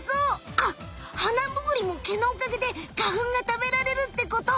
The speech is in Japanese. あっハナムグリも毛のおかげで花ふんが食べられるってこと！